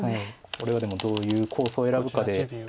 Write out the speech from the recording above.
これはでもどういう構想を選ぶかで。